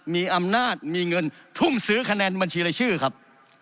มีอำนาจมีเงินทุ่มซื้อคะแนนบัญชีรายชื่อครับ